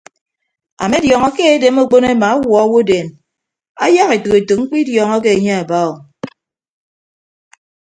Amediọñọ ke edem okpon ama awuọ owodeen ayak etәk etәk mkpịdiọñọke anye aba o.